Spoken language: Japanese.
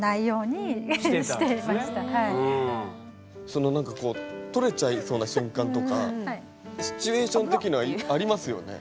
その何かこう取れちゃいそうな瞬間とかシチュエーション的にはありますよね？